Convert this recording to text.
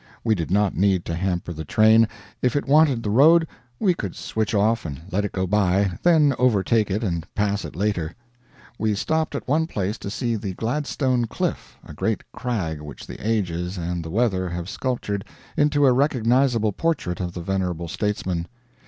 We did not need to hamper the train; if it wanted the road, we could switch off and let it go by, then overtake it and pass it later. We stopped at one place to see the Gladstone Cliff, a great crag which the ages and the weather have sculptured into a recognizable portrait of the venerable statesman.